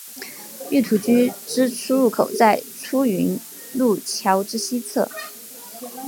御土居之出入口在出云路桥之西侧。